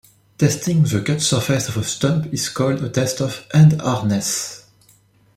Testing the cut surface of a stump is called a test of "end hardness".